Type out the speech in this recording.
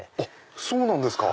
そうなんですか！